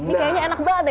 ini kayaknya enak banget ya